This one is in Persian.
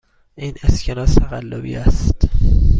این اسکناس تقلبی است.